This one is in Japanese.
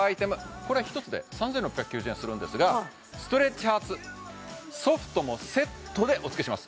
これは１つで３６９０円するんですがストレッチハーツソフトもセットでお付けします